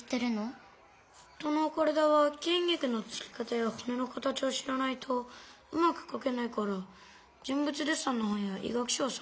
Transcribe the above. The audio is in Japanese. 人の体はきん肉のつき方やほねの形を知らないとうまくかけないから人物デッサンの本や医学書を参考にしてる。